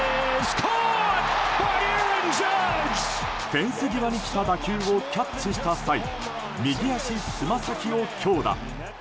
フェンス際に来た打球をキャッチした際右足つま先を強打。